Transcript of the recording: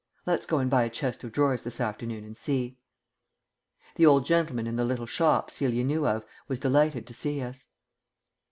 Let's go and buy a chest of drawers this afternoon, and see." The old gentleman in the little shop Celia knew of was delighted to see us.